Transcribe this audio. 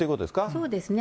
そうですね。